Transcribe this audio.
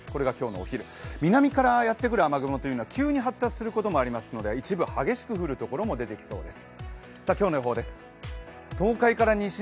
これが今日のお昼、南からやってくる雨雲というのは急に発達することもありますので、一部激しく降るところも出てきそうです。